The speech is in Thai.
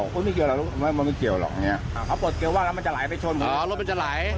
ก็เลยให้เขาถอยมาให้เฉย